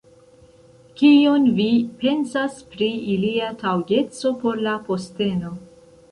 Kion vi pensas pri ilia taŭgeco por la posteno?